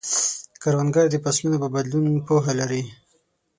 کروندګر د فصلونو په بدلون پوهه لري